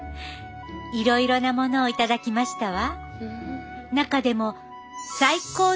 いろいろなものを頂きましたわ。